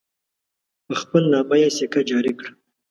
په خپل نامه یې سکه جاري کړه.